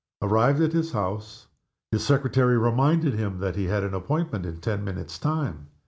Arrived at his house, his secretary reminded him that he had an appointment in ten minutes' time.